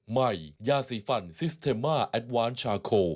มีฝั่งสิสเทมมาแอดวานชาโคล